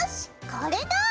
これだ！